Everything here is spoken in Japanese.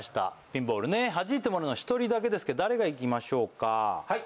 ピンボールねはじいてもらうのは１人だけですけど誰がいきましょうかはい！